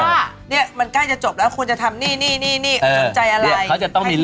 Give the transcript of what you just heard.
นี่มันใกล้จะจบแล้วคุณจะทำนี่จบใจอะไร